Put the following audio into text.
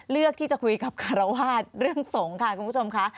เลือกที่จะคุยกับคารวาสเรื่องสงฆ์ค่ะคุณผู้ชมค่ะ